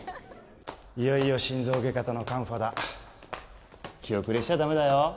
いよいよ心臓外科とのカンファだ気後れしちゃダメだよ